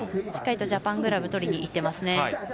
しっかりジャパングラブ取りに行ってますね。